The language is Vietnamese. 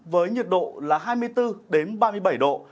với nhiệt độ là hai mươi bốn ba mươi bảy độ